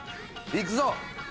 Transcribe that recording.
いくぞ！